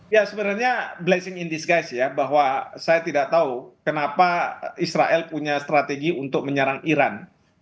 ya sebenarnya blessing in disguise ya bahwa saya tidak tahu kenapa israel punya strategi untuk menyerang iran